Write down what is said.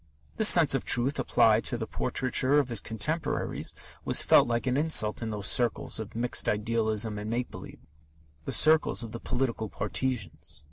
This sense of truth applied to the portraiture of his contemporaries was felt like an insult in those circles of mixed idealism and make believe, the circles of the political partisans.